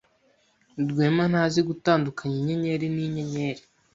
Rwema ntazi gutandukanya inyenyeri n’inyenyeri.